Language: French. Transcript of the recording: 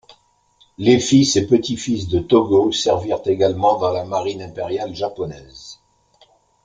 Les fils et petit-fils de Tōgō servirent également dans la marine impériale japonaise.